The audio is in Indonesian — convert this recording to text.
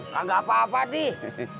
gak apa apa dih